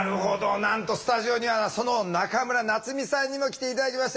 なんとスタジオにはその中村夏実さんにも来て頂きました。